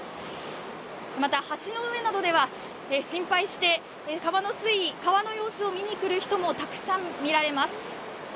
また、橋の上などでは心配して川の水位、川の様子を見に来る人もたくさん見られます。